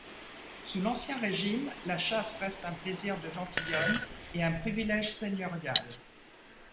Sous l'Ancien Régime, la chasse reste un plaisir de gentilhomme et un privilège seigneurial.